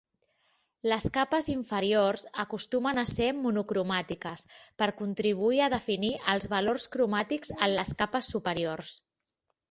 Les capes inferiors acostumen a ser monocromàtiques per contribuir a definir els valors cromàtics en les capes superiors.